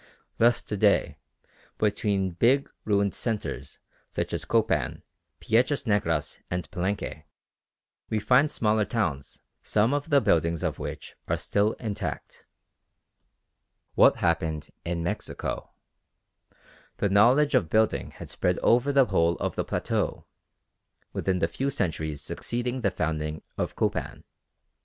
Thus to day, between big ruined centres such as Copan, Piedras Negras, and Palenque, we find smaller towns some of the buildings of which are still intact. What happened in Mexico? The knowledge of building had spread over the whole of the plateau within the few centuries succeeding the founding of Copan.